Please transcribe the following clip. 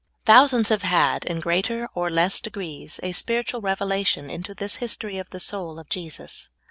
Thousands have had, in greater or less degrees, a spiritual revelation into this histor} of the soul of Jesus.